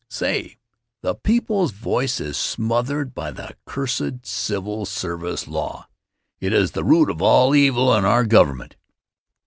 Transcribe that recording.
Say, the people's voice is smothered by the cursed civil service law; it is the root of all evil in our government.